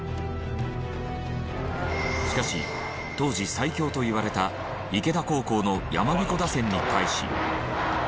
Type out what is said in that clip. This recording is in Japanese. しかし当時最強といわれた池田高校のやまびこ打線に対し。